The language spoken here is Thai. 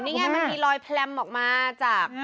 นี่ไงมันมีรอยแพลมออกมาจาก